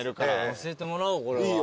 教えてもらおうこれは。